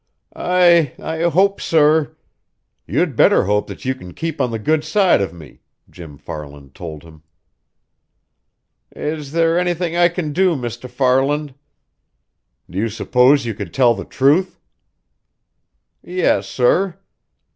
"I I hope, sir " "You'd better hope that you can keep on the good side of me," Jim Farland told him. "If there is anything I can do, Mr. Farland " "Do you suppose you could tell the truth?" "Yes, sir."